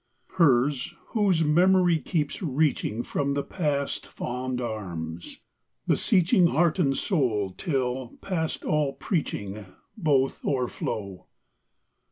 Hers, whose memory keeps reaching From the past fond arms, beseeching Heart and soul till, past all preaching, Both o'erflow.